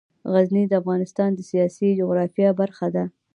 غزني د افغانستان د سیاسي جغرافیه برخه ده.